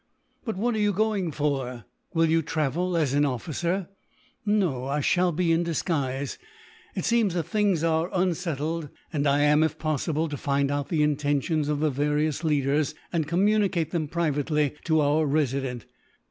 "But what are you going for? Will you travel as an officer?" "No, I shall be in disguise. It seems that things are unsettled; and I am, if possible, to find out the intentions of the various leaders, and communicate them privately to our Resident.